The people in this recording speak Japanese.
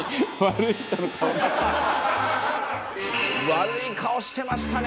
悪い顔してましたね